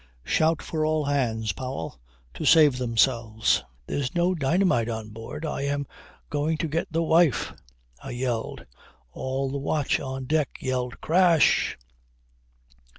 Shout for all hands, Powell, to save themselves. There's no dynamite on board now. I am going to get the wife! .." I yelled, all the watch on deck yelled. Crash!"